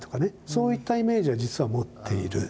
そういったイメージを実は持っている。